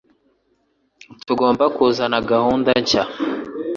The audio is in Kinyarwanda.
Tugomba kuzana gahunda nshya.